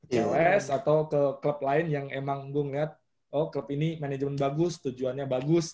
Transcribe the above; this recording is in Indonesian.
cls atau ke klub lain yang emang gue ngeliat oh klub ini manajemen bagus tujuannya bagus